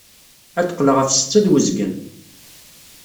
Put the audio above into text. Ad qqleɣ ɣef ssetta ed wezgen.